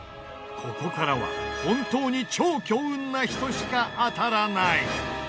ここからは本当に超強運な人しか当たらない。